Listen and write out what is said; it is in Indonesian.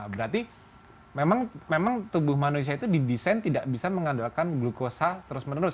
berarti memang tubuh manusia itu didesain tidak bisa mengandalkan glukosa terus menerus